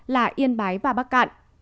là yên bái và bắc cạn